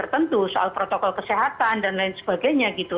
tentu soal protokol kesehatan dan lain sebagainya gitu